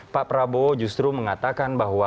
pak prabowo justru mengatakan bahwa